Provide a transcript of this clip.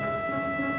gak cukup pulsaanya